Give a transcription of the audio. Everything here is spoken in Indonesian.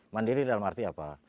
mandiri dalam arti apa